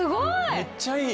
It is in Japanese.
めっちゃいい！